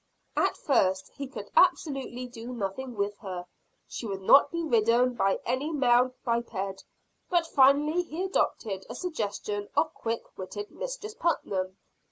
At first he could absolutely do nothing with her; she would not be ridden by any male biped. But finally he adopted a suggestion of quick witted Mistress Putnam.